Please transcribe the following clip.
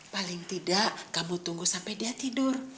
paling tidak kamu tunggu sampai dia tidur